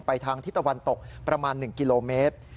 ทางทิศตะวันตกประมาณ๑กิโลเมตร